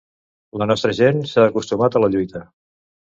La nostra gent s’ha acostumat a la lluita.